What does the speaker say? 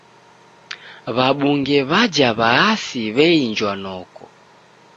W'abunge w'aja w'aasi w'einjwa noko.